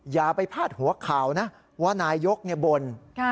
อย่าไปพาดหัวข่าวนะว่านายกบ่น